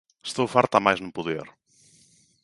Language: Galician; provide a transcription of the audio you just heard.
Estou farta a máis non poder